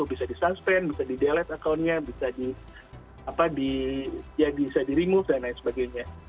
bisa di suspend bisa di dellet accountnya bisa di remove dan lain sebagainya